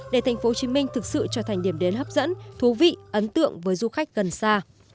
để tp hcm thực sự trở thành điểm đến hấp dẫn thú vị ấn tượng với du khách gần xa